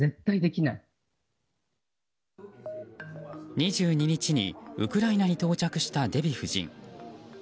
２２日にウクライナに到着したデヴィ夫人。